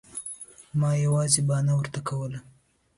ما یوازې یوه بهانه ورته کوله.